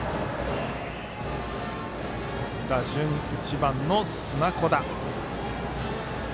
打順１番の砂子田。